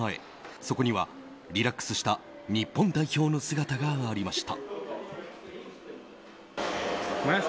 そこにはリラックスした日本代表の姿がありました。